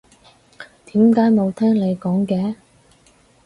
點解冇聽你講嘅？